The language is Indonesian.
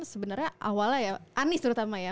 sebenarnya awalnya ya anies terutama ya